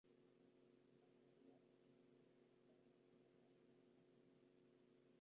En la actualidad reside en Cardiff, Gales.